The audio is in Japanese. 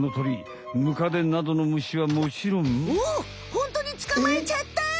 ホントにつかまえちゃった！